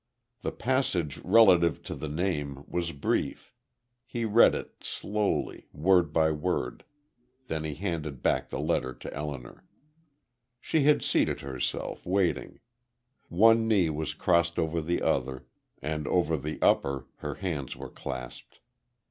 The passage relative to the name was brief. He read it, slowly, word by word. Then he handed back the letter to Elinor. She had seated herself, waiting. One knee was crossed over the other; and over the upper, her hands were clasped.